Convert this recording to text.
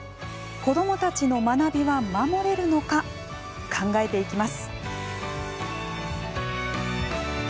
子どもたちの学びは守れるのか考えていきます。